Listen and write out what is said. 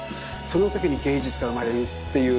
その時に芸術が生まれるっていう。